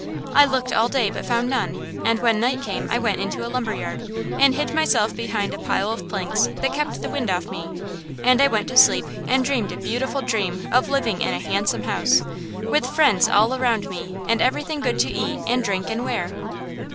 I looked all day but found none, and when night came I went into a lumber yard and hid myself behind a pile of planks that kept the wind off me, and I went to sleep and dreamed a beautiful dream of living in a handsome house, with friends all around me and everything good to eat and drink and wear!"